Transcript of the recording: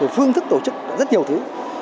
rồi phương thức tổ chức rất nhiều thứ